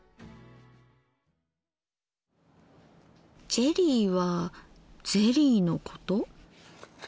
ジェリーはゼリーのこと？